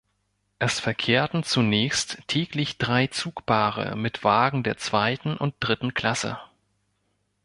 Es verkehrten zunächst täglich drei Zugpaare mit Wagen der zweiten und dritten Klasse.